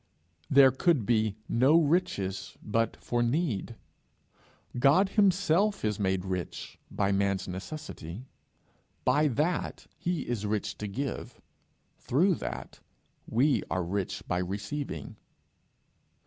There could be no riches but for need. God himself is made rich by man's necessity. By that he is rich to give; through that we are rich by receiving.